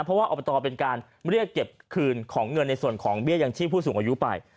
เพราะว่าอบตเป็นการเรียกเก็บคืนของเงินในส่วนของเบี้ยยังชีพผู้สูงอายุไป